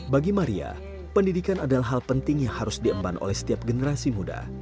bagi maria pendidikan adalah hal penting yang harus diemban oleh setiap generasi muda